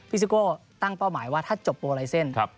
ซิโก้ตั้งเป้าหมายว่าถ้าจบโปรไลเซ็นต์